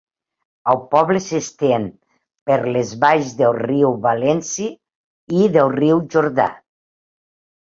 El poble s'estén per les valls del riu Valency i del riu Jordà.